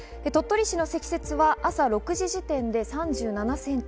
鳥取市の積雪は朝６時時点で３７センチ。